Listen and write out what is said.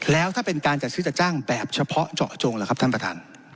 แล้วถ้าเป็นการจัดซื้อจัดจ้างแบบเฉพาะเจาะจงล่ะครับท่านประธาน